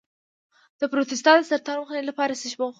د پروستات د سرطان مخنیوي لپاره څه شی وخورم؟